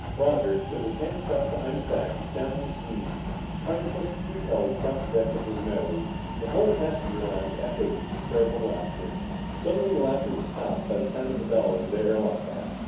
Roger, with his hands clasped behind his back, was down on his knees trying to push a food pellet across the deck with his nose. The whole passenger lounge echoed with hysterical laughter. Suddenly the laughter was stopped by the sound of the bell over the air lock hatch.